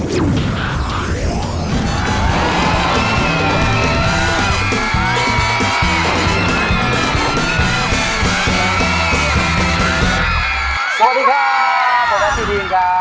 สวัสดีค่ะโปรแทสซีดีนครับ